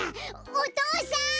お父さん！